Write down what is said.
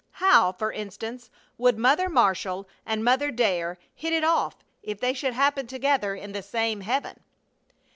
How, for instance, would Mother Marshall and Mother Dare hit it off if they should happen together in the same heaven?